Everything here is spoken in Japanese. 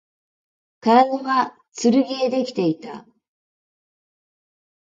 体は剣でできていた